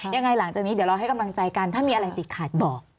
หลังจากนี้เดี๋ยวเราให้กำลังใจกันถ้ามีอะไรติดขัดบอก